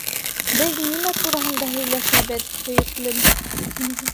Беҙ нимә тураһында һөйләшәбеҙ, һөйөклөм?